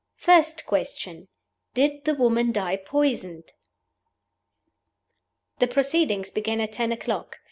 FIRST QUESTION DID THE WOMAN DIE POISONED? THE proceedings began at ten o'clock.